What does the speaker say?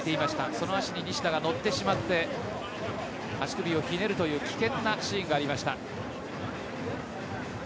その足に西田が乗ってしまって足首をひねるという危険なシーンがありました。